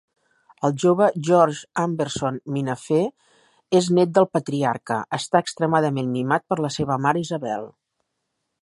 El jove George Amberson Minafer, el net del patriarca, està extremadament mimat per la seva mare Isabel.